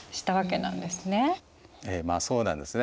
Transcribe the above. ええまあそうなんですね。